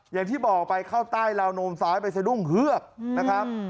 อย่างที่บอกไปเข้าใต้ราวนมซ้ายไปสะดุ้งเฮือกนะครับ